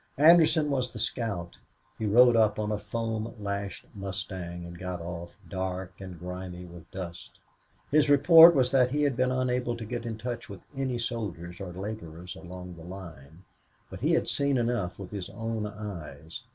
Anderson was the scout. He rode up on a foam lashed mustang, and got off, dark and grimy with dust. His report was that he had been unable to get in touch with any soldiers or laborers along the line, but he had seen enough with his own eyes.